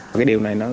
cái điều này